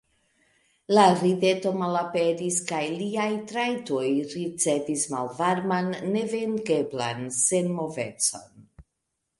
La rideto malaperis, kaj liaj trajtoj ricevis malvarman, nevenkeblan senmovecon.